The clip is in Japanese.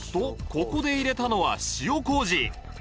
ここで入れたのは塩麹